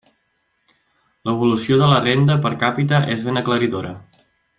L'evolució de la renda per càpita és ben aclaridora.